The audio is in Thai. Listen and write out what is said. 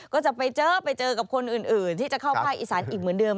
ก็จะไปเจอไปเจอกับคนอื่นที่จะเข้าภาคอีสานอีกเหมือนเดิม